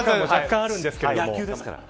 野球ですから。